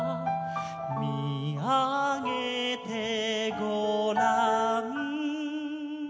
「みあげてごらん」